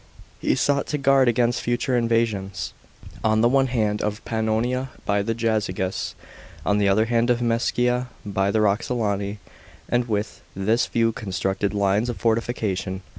He sought to guard against future invasions, on the one hand of Pannonia by the Jazyges, on the other hand of Mcesia by the Roxolani, and with this view constructed lines of fortification.